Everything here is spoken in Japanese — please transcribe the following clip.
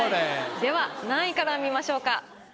では何位から見ましょうか？